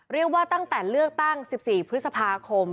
เรียกว่าตั้งแต่เลือกตั้ง๑๔พฤษภาคม